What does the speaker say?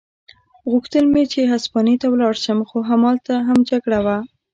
غوښتل مې چې هسپانیې ته ولاړ شم، خو همالته هم جګړه وه.